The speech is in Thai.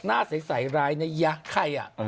หน้าใส่ใส่รายในยะไข่อะ